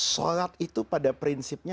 sholat itu pada prinsipnya